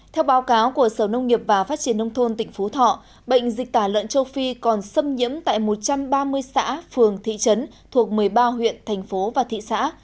theo báo cáo của sở nông nghiệp và phát triển nông thôn tỉnh phú thọ bệnh dịch tả lợn châu phi còn xâm nhiễm tại một trăm ba mươi xã phường thị trấn thuộc một mươi ba huyện thành phố và thị xã